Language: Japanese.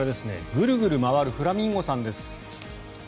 ぐるぐる回るフラミンゴさんです。